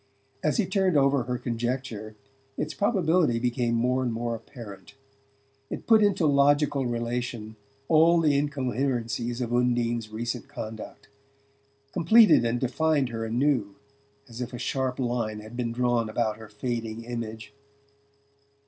As he turned over her conjecture its probability became more and more apparent. It put into logical relation all the incoherencies of Undine's recent conduct, completed and defined her anew as if a sharp line had been drawn about her fading image.